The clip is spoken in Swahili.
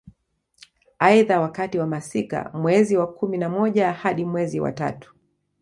Aidha wakati wa masika mwezi wa kumi na moja hadi mwezi wa tatu